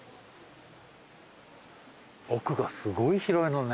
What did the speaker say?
奥がすごい広いのね。